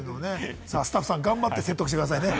スタッフさん、頑張って説得してくださいね。